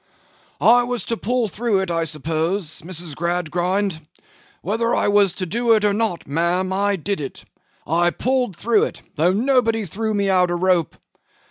'I was to pull through it, I suppose, Mrs. Gradgrind. Whether I was to do it or not, ma'am, I did it. I pulled through it, though nobody threw me out a rope.